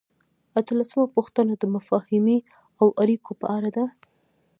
اتلسمه پوښتنه د مفاهمې او اړیکو په اړه ده.